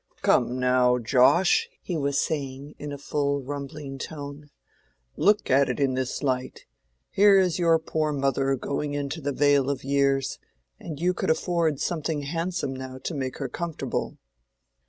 "Come, now, Josh," he was saying, in a full rumbling tone, "look at it in this light: here is your poor mother going into the vale of years, and you could afford something handsome now to make her comfortable."